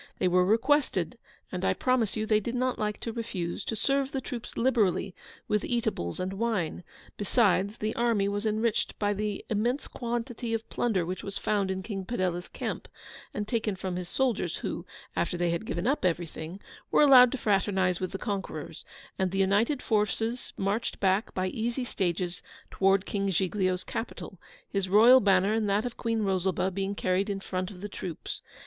They were requested, and I promise you they did not like to refuse, to serve the troops liberally with eatables and wine; besides, the army was enriched by the immense quantity of plunder which was found in King Padella's camp, and taken from his soldiers; who (after they had given up everything) were allowed to fraternise with the conquerors; and the united forces marched back by easy stages towards King Giglio's capital, his royal banner and that of Queen Rosalba being carried in front of the troops.